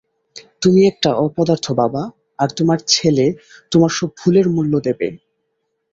তুমি একটা অপদার্থ বাবা, আর তোমার ছেলে তোমার সব ভুলের মূল্য দেবে।